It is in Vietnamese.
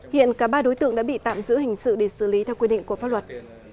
hiện cả ba đối tượng đã bị tạm giữ hình sự để xử lý theo quy định của pháp luật